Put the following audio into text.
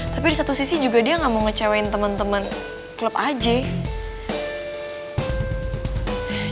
tapi di satu sisi dia juga gak mau ngecewain temen temen klub aja